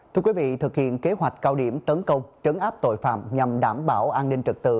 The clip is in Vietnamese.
thưa quý vị thực hiện kế hoạch cao điểm tấn công trấn áp tội phạm nhằm đảm bảo an ninh trật tự